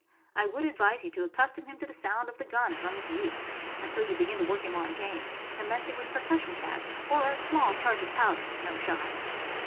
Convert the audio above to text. I would advise you to accustom him to the sound of the gun from his youth, until you begin to work him on game, commencing with percussion caps or a small charge of powder — no shot.